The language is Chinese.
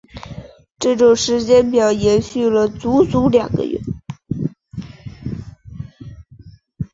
这种时间表延续了足足两个月。